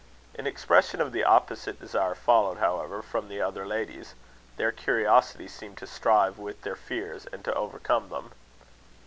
An expression of the opposite desire followed, however, from the other ladies. Their curiosity seemed to strive with their fears, and to overcome them.